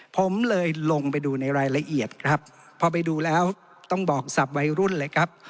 ผมเลยลงไปดูในรายละเอียดครับพอไปดูแล้วต้องบอกศัพท์วัยรุ่นเลยครับ